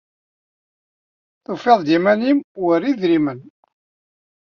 Tufiḍ-d iman-nnem war idrimen.